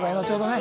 ね